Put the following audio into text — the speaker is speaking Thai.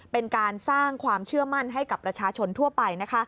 เป็นการสร้างความเชื่อมั่นให้กับประชาชนทั่วไป